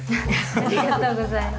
ありがとうございます。